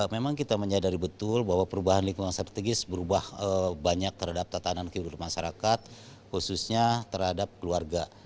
memang kita menyadari betul bahwa perubahan lingkungan strategis berubah banyak terhadap tatanan kehidupan masyarakat khususnya terhadap keluarga